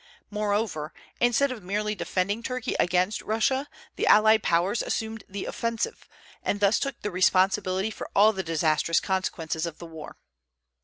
Moreover, instead of merely defending Turkey against Russia, the allied Powers assumed the offensive, and thus took the responsibility for all the disastrous consequences of the war.